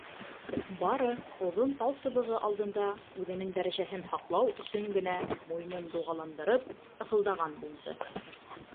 Бары оҙон талсыбығы алдында үҙенең дәрәжәһен һаҡлау өсөн генә, муйынын дуғаландырып, ыҫылдаған булды.